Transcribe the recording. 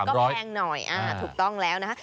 ก็แพงหน่อยถูกต้องแล้วนะคะ